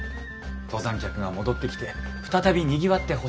登山客が戻ってきて再びにぎわってほしい。